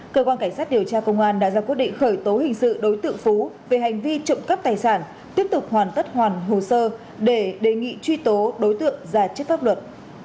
cơ quan cảnh sát điều tra công an đã ra quyết định khởi tố hình sự đối tượng phú về hành vi trộm cắp tài sản tiếp tục hoàn tất hoàn hồ sơ để đề nghị truy tố đối tượng ra chức pháp luật